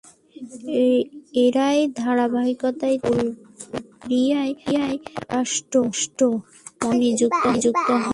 এরই ধারাবাহিকতায় তিনি বুলগেরিয়ার পররাষ্ট্র মন্ত্রণালয়ে নিযুক্ত হন।